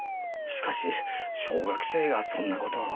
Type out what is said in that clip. しかし小学生がそんな事を。